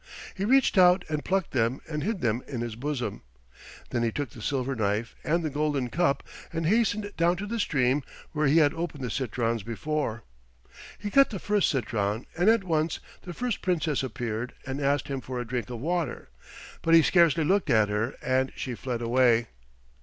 He reached out and plucked them and hid them in his bosom. Then he took the silver knife and the golden cup and hastened down to the stream where he had opened the citrons before. He cut the first citron, and at once the first Princess appeared and asked him for a drink of water, but he scarcely looked at her, and she fled away.